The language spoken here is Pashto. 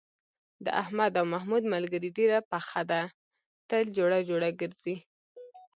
د احمد او محمود ملگري ډېره پخه ده، تل جوړه جوړه گرځي.